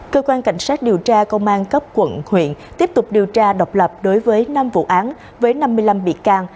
cơ quan cảnh sát điều tra công an cấp quận huyện tiếp tục điều tra độc lập đối với năm vụ án với năm mươi năm bị can